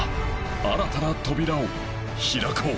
新たな扉を開こう